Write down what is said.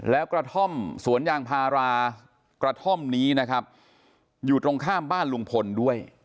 แล้วกระท่อมสวนยางพารากระท่อมนี้นะครับอยู่ตรงข้ามบ้านลุงพลด้วย